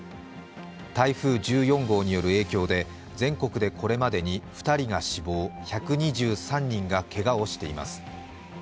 台風１４号による影響で、全国でこれまでに、２人が死亡、１２３人がけがをしています。